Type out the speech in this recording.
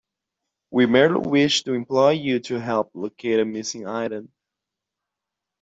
We merely wish to employ you to help locate a missing item.